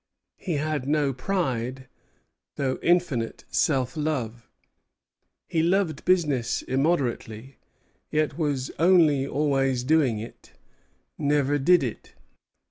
He had no pride, though infinite self love. He loved business immoderately; yet was only always doing it, never did it.